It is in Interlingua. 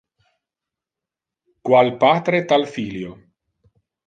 Qual patre, tal filio.